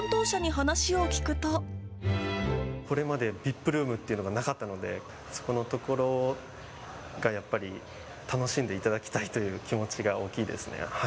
これまでＶＩＰルームっていうのがなかったので、そこのところがやっぱり、楽しんでいただきたいという気持ちが大きいですね。